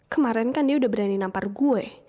kemarin kan dia udah berani nampar gue